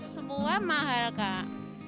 semua mahal kak